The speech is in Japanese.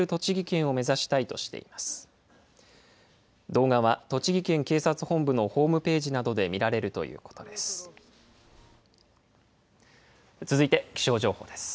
動画は、栃木県警察本部のホームページなどで見られるということです。